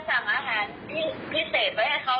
พ่อจะสั่งอาหารที่พิเศษไว้ให้เขา